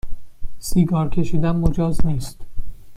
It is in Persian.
سیگار کشیدن مجاز نیست